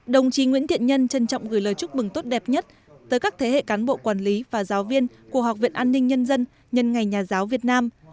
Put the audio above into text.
đồng chí nguyễn thiện nhân trân trọng gửi lời chúc mừng tốt đẹp nhất tới các thế hệ cán bộ quản lý và giáo viên của học viện an ninh nhân dân nhân ngày nhà giáo việt nam